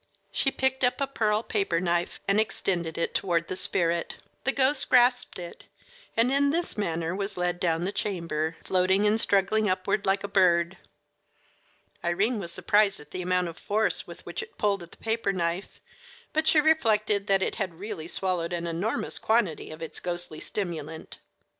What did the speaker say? She picked up a pearl paper knife and extended it toward the spirit. The ghost grasped it, and in this manner was led down the chamber, floating and struggling upward like a bird. Irene was surprised at the amount of force with which it pulled at the paper knife, but she reflected that it had really swallowed an enormous quantity of its ghostly stimulant.